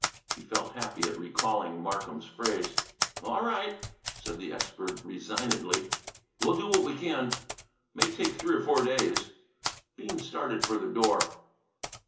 He felt happy at recalling Markham's phrase. "All right," said the expert resignedly. "We'll do what we can. May take three or four days." Bean started for the door.